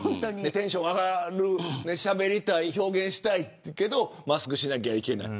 テンション上がってしゃべりたい表現したいけどマスクしなければいけない。